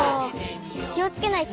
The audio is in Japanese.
きをつけないと！